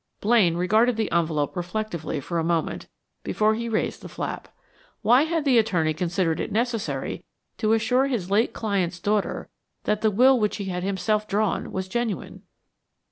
Blaine regarded the envelope reflectively for a moment before he raised the flap. Why had the attorney considered it necessary to assure his late client's daughter that the will which he had himself drawn was genuine?